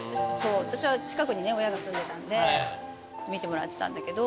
私は近くにね親が住んでたんで見てもらってたんだけど。